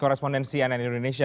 korrespondensi ann indonesia